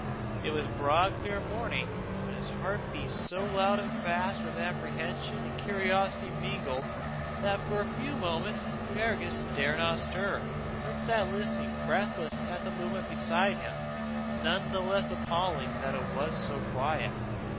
It was broad clear morning, but his heart beat so loud and fast with apprehension and curiosity mingled, that for a few moments Fergus dare not stir, but sat listening breathless to the movement beside him, none the less appalling that it was so quiet.